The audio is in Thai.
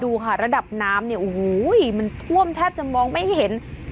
ดูค่ะระดับน้ำเนี่ยโอ้โหมันท่วมแทบจะมองไม่เห็น